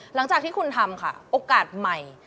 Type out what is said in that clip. หลังจากที่คุณทำค่ะโอกาสใหม่